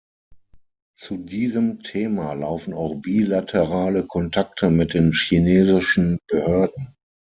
Zu diesem Thema laufen auch bilaterale Kontakte mit den chinesischen Behörden.